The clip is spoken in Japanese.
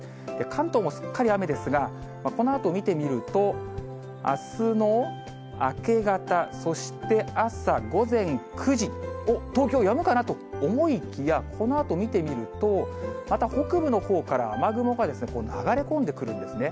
関東もすっかり雨ですが、このあと見てみると、あすの明け方、そして朝、午前９時、おっ、東京、やむかな？と思いきや、このあと見てみると、また北部のほうから、雨雲が流れ込んでくるんですね。